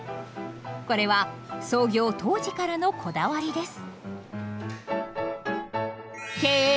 これは創業当時からのこだわりです。